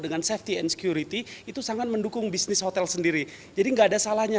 dengan safety and security itu sangat mendukung bisnis hotel sendiri jadi enggak ada salahnya